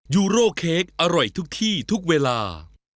ยูโร่เค้กอร่อยทุกที่ทุกเวลา